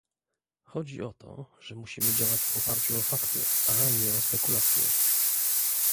Chodzi o to, że musimy działać w oparciu o fakty, a nie o spekulacje